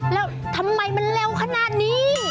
แล้วทำไมมันเร็วขนาดนี้